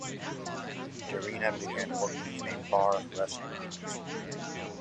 Darina began working in a bar-restaurant.